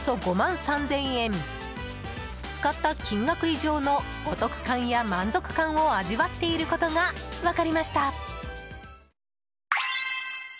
使った金額以上のお得感や満足感を味わっていることが分かりました。